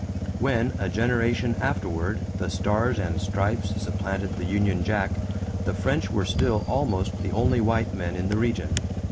When, a generation afterward, the Stars and Stripes supplanted the Union Jack, the French were still almost the only white men in the region.